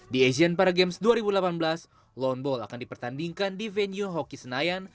di asian paragames dua ribu delapan belas lawnball akan dipertandingkan di venue hoki senayan